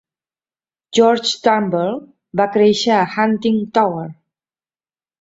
George Turnbull va créixer a Huntingtower.